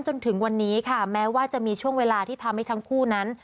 จนถึงวันนี้ค่ะแม้ว่าจะมีช่วงเวลาที่ทำให้ทั้งคู่นั้น